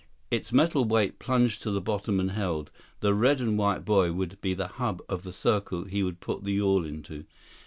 Its metal weight plunged to the bottom and held. The red and white buoy would be the hub of the circle he would put the yawl into.